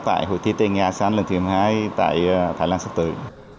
tại cuộc thi tay nghề asean lần thứ một mươi hai tại thái lan sắp tới